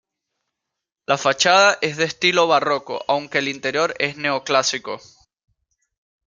La fachada es de estilo barroco aunque el interior es neoclásico.